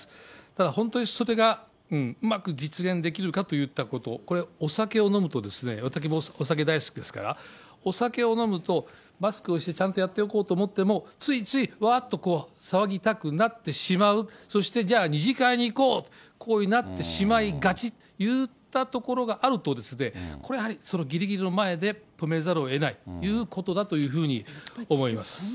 ただ、本当にそれがうまく実現できるかといったところ、これ、お酒を飲むとですね、私もお酒大好きですから、お酒を飲むと、マスクをして、ちゃんとやっておこうと思っても、ついつい、わーっと騒ぎたくなってしまう、そしてじゃあ、二次会に行こう、こうなってしまいがちっていったところがあるとですね、これはやはり、そのぎりぎりの前で止めざるをえないということだというふうに思います。